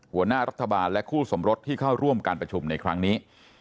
หัวหน้ารัฐบาลและคู่สมรสที่เข้าร่วมการประชุมในครั้งนี้